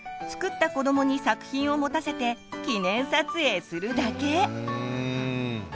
作った子どもに作品を持たせて記念撮影するだけ！